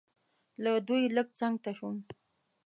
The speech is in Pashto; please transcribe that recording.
له دوی لږ څنګ ته شوم.